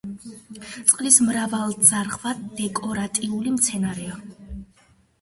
წყლის მრავალძარღვა დეკორატიული მცენარეა.